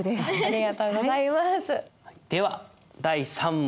では第３問。